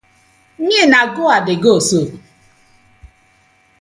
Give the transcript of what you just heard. Me na go I dey go so ooo.